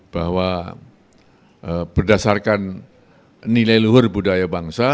bahwa berdasarkan nilai luhur budaya bangsa